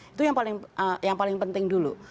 itu yang paling penting dulu